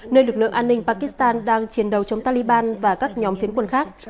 nơi lực lượng an ninh pakistan đang chiến đấu chống taliban và các nhóm phiến quân khác